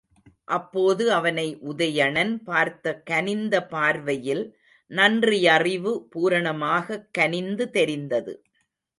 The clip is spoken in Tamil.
அப்போது அவனை உதயணன் பார்த்த கனிந்த பார்வையில் நன்றியறிவு பூரணமாகக் கனிந்து தெரிந்தது.